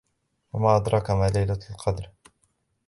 وَمَا أَدْرَاكَ مَا لَيْلَةُ الْقَدْرِ